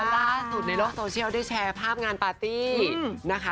ล่าสุดในโลกโซเชียลได้แชร์ภาพงานปาร์ตี้นะคะ